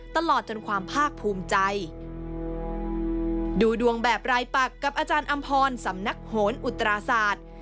ตลอดจนความภาคภูมิใจดูดวงแบบรายปักกับอาจารย์อำพรสำนักโหนอุตราศาสตร์